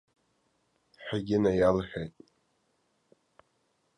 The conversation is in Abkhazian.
Ҳәагьы наиалҳәеит.